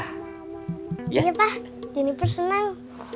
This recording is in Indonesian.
iya pak jadi bersenang